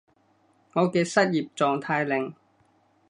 我嘅失業狀態令